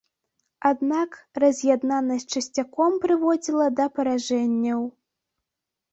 Аднак раз'яднанасць часцяком прыводзіла да паражэнняў.